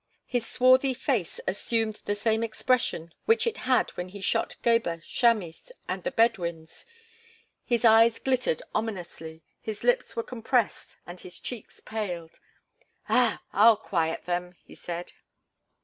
His swarthy face assumed the same expression which it had when he shot Gebhr, Chamis, and the Bedouins. His eyes glittered ominously; his lips were compressed and his cheeks paled. "Ah! I'll quiet them!" he said.